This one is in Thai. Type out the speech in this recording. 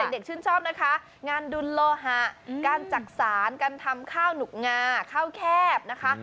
เด็กชื่นชอบนะคะงานดุลโลหะการจักษานการทำข้าวหนุกงาข้าวแคบนะคะ